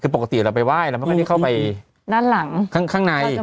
คือปกติเราไปไหว้เราไม่ค่อยเข้าไปด้านหลังข้างข้างในเขาจะ